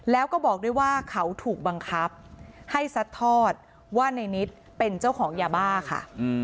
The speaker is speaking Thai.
แล้วก็บอกด้วยว่าเขาถูกบังคับให้ซัดทอดว่าในนิดเป็นเจ้าของยาบ้าค่ะ